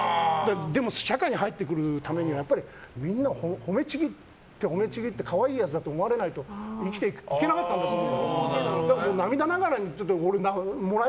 でも社会に入ってくるためにはみんなを褒めちぎって可愛いやつだと思われないと生きていけなかったんだと思う。